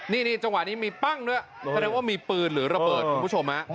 นี่จังหวะนี้มีปั้งด้วยแสดงว่ามีปืนหรือระเบิดคุณผู้ชมฮะ